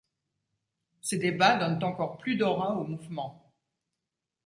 Ces débats donnent encore plus d'aura au mouvement.